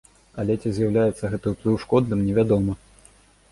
Але ці з'яўляецца гэты ўплыў шкодным, невядома.